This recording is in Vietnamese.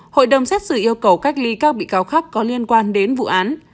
hội đồng xét xử yêu cầu cách ly các bị cáo khác có liên quan đến vụ án